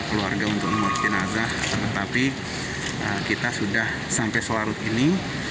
dia keluarga untuk membuat jenasa tetapi kita sudah sampai selarut ini